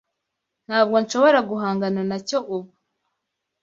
Ntabwo nshobora guhangana nacyo ubu.